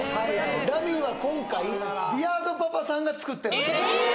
ダミーは今回ビアードパパさんが作ってるんでええ！